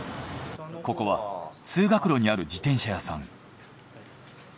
ここは通学路にある自転車屋さん。